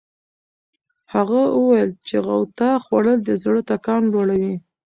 هغه وویل چې غوطه خوړل د زړه ټکان لوړوي.